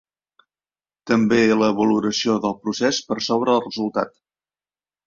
També la valoració del procés per sobre el resultat.